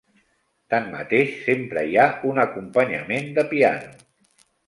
Tanmateix, sempre hi ha un acompanyament de piano.